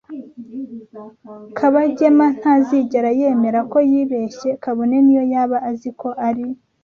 Kabagema ntazigera yemera ko yibeshye kabone niyo yaba azi ko ari.